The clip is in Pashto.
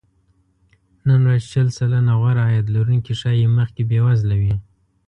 نن ورځ شل سلنه غوره عاید لرونکي ښايي مخکې بې وزله وي